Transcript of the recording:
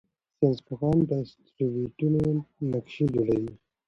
ساینسپوهان د اسټروېډونو نقشې جوړوي.